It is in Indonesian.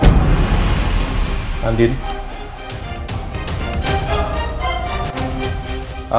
al tidak bisa mempertanggungjawabkan perbuatannya